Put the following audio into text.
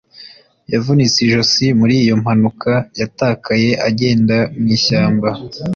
yavunitse ijosi muri iyo mpanuka. yatakaye agenda mu ishyamba